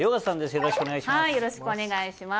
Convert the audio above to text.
よろしくお願いします。